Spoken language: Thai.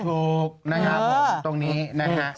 ถูกนะครับผมตรงนี้นะฮะ